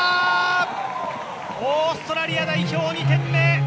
オーストラリア代表、２点目。